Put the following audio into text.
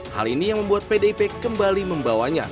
hal ini yang membuat pdip kembali membawanya